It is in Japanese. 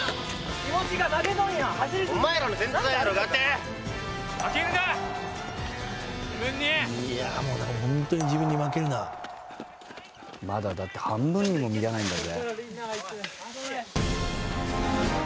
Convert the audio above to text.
自分にいやもうホントに自分に負けるなまだだって半分にも満たないんだぜ